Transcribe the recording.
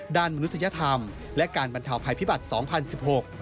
ด้านมนุษยธรรมและการบรรทาวภายพิบัติ๒๐๑๖